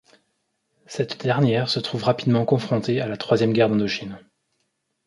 Cette dernière se trouve rapidement confrontée à la Troisième Guerre d’Indochine.